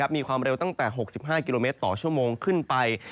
มีความเร็วตั้งแต่๖๕กิโลเมตรต่อชั่วโมงขึ้นไป